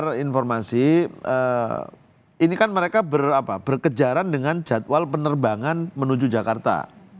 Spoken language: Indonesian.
berdasarkan informasi ini kan mereka berkejaran dengan jadwal penerbangan menuju jakarta